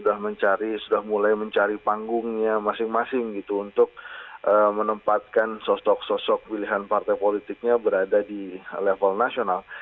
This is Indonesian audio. karena sudah mulai mencari panggungnya masing masing untuk menempatkan sosok sosok pilihan partai politiknya berada di level nasional